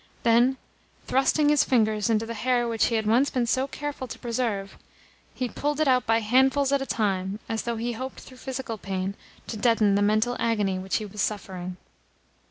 Then, thrusting his fingers into the hair which he had once been so careful to preserve, he pulled it out by handfuls at a time, as though he hoped through physical pain to deaden the mental agony which he was suffering.